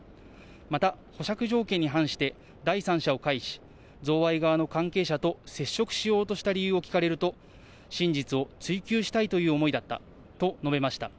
また保釈条件に反して、第三者を介し、贈賄側の関係者と接触しようとした理由を聞かれると、真実を追究したいという思いだったと述べました。